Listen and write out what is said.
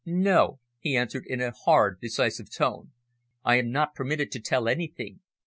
"No," he answered in a hard, decisive tone. "I am not permitted to tell anything.